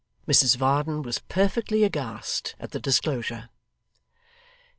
Mrs Varden was perfectly aghast at the disclosure.